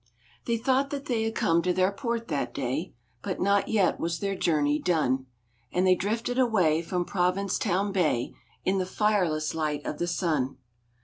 They thought they had come to their port that day, But not yet was their journey done; And they drifted away from Provincetown Bay In the fireless light of the sun.